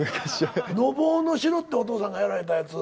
『のぼうの城』ってお父さんがやられたやつ。